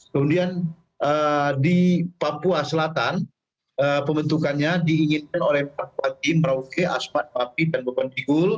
kemudian di papua selatan pembentukannya diinginkan oleh pak wadim rauke asmat papi dan bukonjigul